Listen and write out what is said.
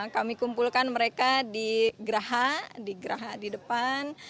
kami kumpulkan mereka di geraha di geraha di depan